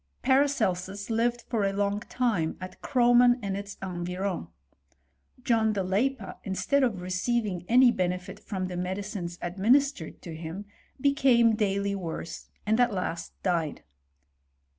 Paracelsus lived for a long time at Kroman, ^U^ its. environs. John de Leippa, instead of receiv ing any benefit from the medicines administered to hlfti, became daily worse, and at last died.